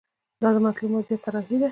دا د مطلوب وضعیت طراحي ده.